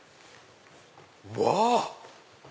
うわ！